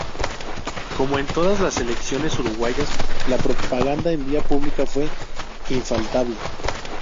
Como en todas las elecciones uruguayas, la propaganda en vía pública fue infaltable.